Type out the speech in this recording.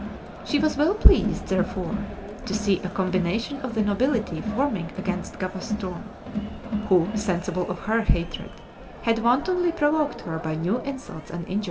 She was well pleased, therefore, to see a combination of the nobility forming against Gavaston, who, sensible of her hatred, had wantonly provoked her by new insults and injuries.